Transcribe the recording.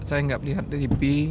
saya gak lihat di tv